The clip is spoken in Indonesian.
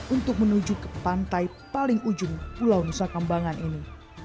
untuk menuju ke pantai paling ujung pulau nusa kambangan ini